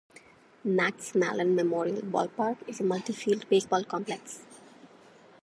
Max Malin Memorial Ballpark is a multi-field baseball complex.